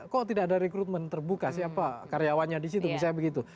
kok tidak ada rekrutmen terbuka siapa karyawannya di situ